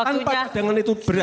kan cadangan itu berat